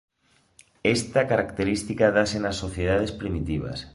Esta característica dáse nas sociedades primitivas.